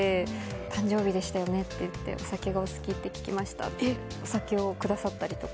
誕生日でしたよねって言ってお酒がお好きと聞きましたとお酒をくださったりとか。